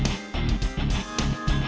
terima kasih chandra